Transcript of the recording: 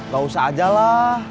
gak usah ajalah